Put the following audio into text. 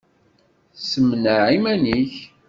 Ssemneɛ iman-nnek!